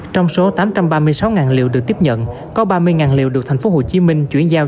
trong số tám trăm ba mươi sáu liều được tiếp nhận có ba mươi liệu được tp hcm chuyển giao